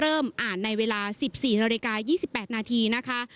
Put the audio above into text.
เริ่มอ่านในเวลา๑๔น๒๘นนะคะ